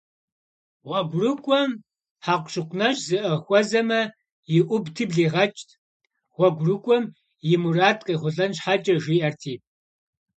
ГъуэгурыкӀуэм хьэкъущыкъу нэщӀ зыӀыгъ хуэзэмэ, иӀубти блигъэкӀт, гъуэгурыкӀуэм и мурад къехъулӀэн щхьэкӀэ, жиӀэрти.